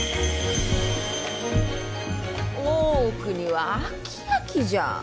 大奥には飽き飽きじゃあ。